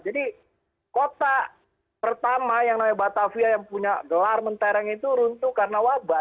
jadi kota pertama yang namanya batavia yang punya gelar mentereng itu runtuh karena wabah